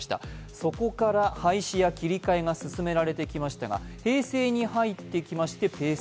そこから、廃止や切り替えが進められてきましたが平成に入ってきましてペース